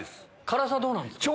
辛さどうなんですか？